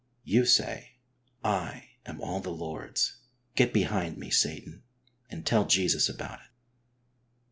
You say: "lam all the Lord's; get behind me, Satan," and tell Jesus about it.